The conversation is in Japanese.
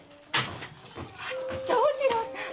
長次郎さん！